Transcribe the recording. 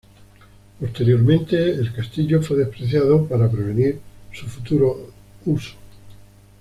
Posteriormente el castillo fue despreciado para prevenir su futuro uso.